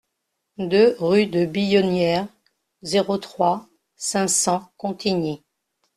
deux rue de Billonnière, zéro trois, cinq cents Contigny